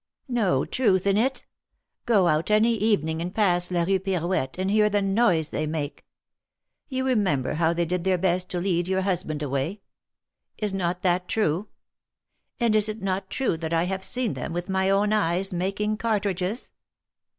^^No truth in it? Go out any evening, and pass la Rue Pirouette and hear the noise they make. You remember how they did their best to lead your husband away. Is not that true? And is it not true that I have seen them, with my own eyes, making cartridges